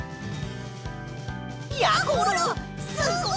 やころすごい！